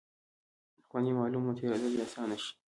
خوند یې معلوم او تېرېدل یې آسانه شي.